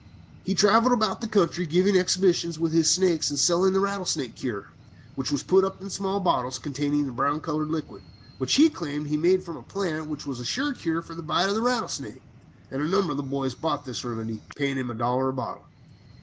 He travelled about the country giving exhibitions with his snakes, and selling the rattlesnake cure, which was put up in small bottles containing a brown colored liquid, which he claimed he made from a plant which was a sure cure for the bite of the rattlesnake, and a number of the boys bought this remedy, paying him a dollar a bottle.